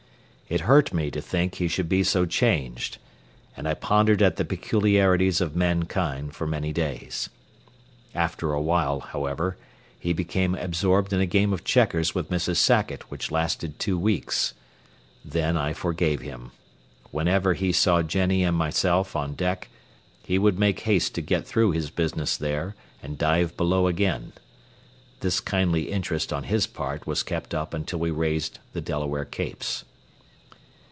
It hurt me to think he should be so changed, and I pondered at the peculiarities of mankind for many days. After awhile, however, he became absorbed in a game of checkers with Mrs. Sackett which lasted two weeks. Then I forgave him. Whenever he saw Jennie and myself on deck, he would make haste to get through his business there, and dive below again. This kindly interest on his part was kept up until we raised the Delaware Capes.